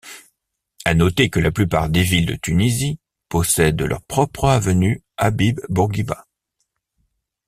À noter que la plupart des villes de Tunisie possèdent leur propre avenue Habib-Bourguiba.